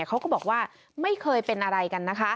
เขาก็บอกว่าไม่เคยเป็นอะไรกันนะคะ